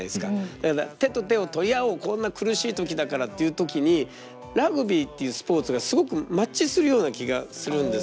だから手と手を取り合おうこんな苦しい時だからっていう時にラグビーっていうスポーツがすごくマッチするような気がするんですけど。